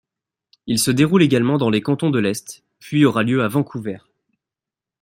Il se déroule également dans les Cantons-de-l'Est puis aura lieu à Vancouver.